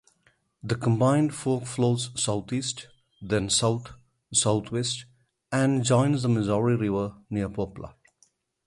The combined fork flows southeast, then south-southwest, and joins the Missouri River near Poplar.